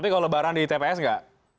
kalau lebaran di tps gak